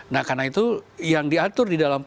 nah karena itu yang diatur di dalam